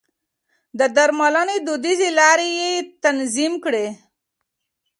د درملنې دوديزې لارې يې تنظيم کړې.